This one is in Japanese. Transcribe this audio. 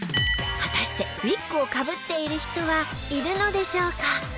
果たしてウィッグをかぶっている人はいるのでしょうか？